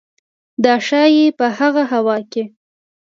دا ښايي په هغه هوا کې